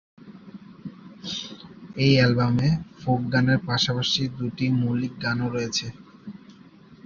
এই অ্যালবামে ফোক গানের পাশাপাশি দুটি মৌলিক গানও রয়েছে।